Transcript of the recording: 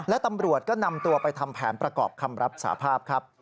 และตำรวจก็นำตัวไปทำแผนประกอบคำรับสาภาพครับ